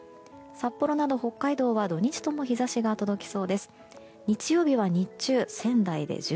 札幌など北海道は土日とも日差しが届きそうです。